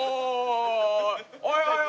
おいおい